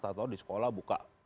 takut takut di sekolah buka